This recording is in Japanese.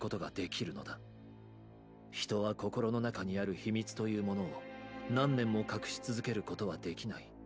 人は心の中にある「秘密」というものを何年も隠し続けることはできない。